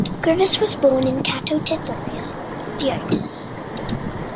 Grivas was born in Kato Tithorea, Phthiotis.